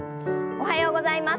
おはようございます。